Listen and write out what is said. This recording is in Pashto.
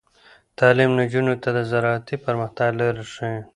تعلیم نجونو ته د زراعتي پرمختګ لارې ښيي.